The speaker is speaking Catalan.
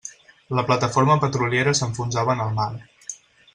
La plataforma petroliera s'enfonsava en el mar.